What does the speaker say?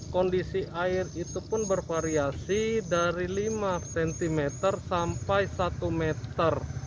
kondisi air itu pun bervariasi dari lima cm sampai satu meter